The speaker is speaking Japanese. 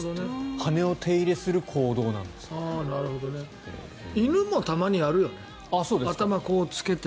羽を手入れする行動なんですって。